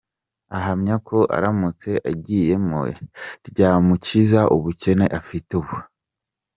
Ahamya ko aramutse arigiyemo ryamukiza ubukene afite ubu.